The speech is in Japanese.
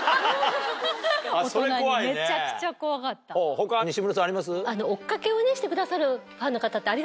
他西村さんあります？